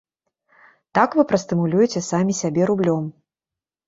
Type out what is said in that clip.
Так вы прастымулюеце самі сябе рублём!